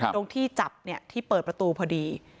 ตรงที่จับที่เปิดประตูพอดี